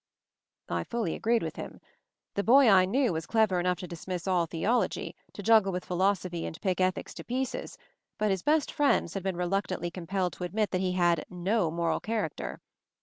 I fully agreed with him. The boy I knew was clever enough to dismiss all theology, to juggle with philosophy and pick ethics to pieces; but his best friends had been reluct antly compelled to admit that he had "no moral character."